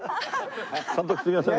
監督すみません。